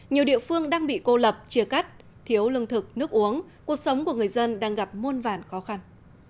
nhiều địa phương đang bị cô lập chia cắt thiếu lương thực nước uống cuộc sống của người dân đang gặp muôn vản khó khăn